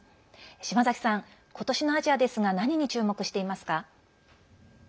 島崎さん、今年のアジアですが何に注目していますか。